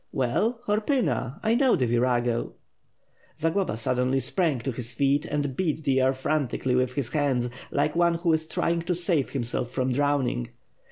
"Well, Horpyna. I know the virago." Zagloba suddenly sprang to his feet, and beat the air fran tically with his hands; like one who is trying to save himself from drowning.